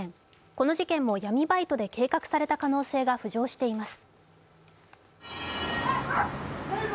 この事件も闇バイトで計画された可能性が浮上しています。